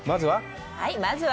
まずは？